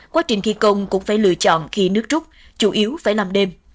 quá trình thi công cũng phải lựa chọn khi nước rút chủ yếu phải làm đêm